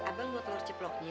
abang mau telur ceploknya